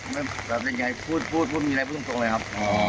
แบบนี้ยังไงพูดมีอะไรพูดตรงเลยครับ